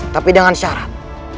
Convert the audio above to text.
tapi dengan syarat